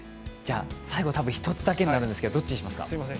最後、１つだけになりますが、どっちにしますか？